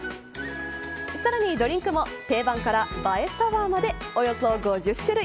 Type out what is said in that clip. さらにドリンクも定番から映えサワーまでおよそ５０種類。